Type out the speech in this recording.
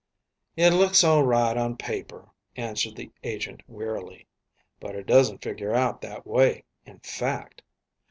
"It looks all right on paper," answered the agent wearily, "but it doesn't figure out that way in fact.